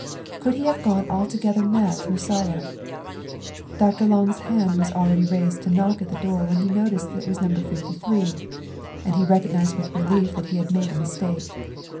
Could he have gone altogether mad through sorrow? Dr. Lange's hand was already raised to knock at the door when he noticed that it was No. 53, and he recognized with relief that he had made a mistake.